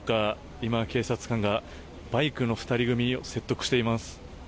今、警察官がバイクの２人組を説得しています。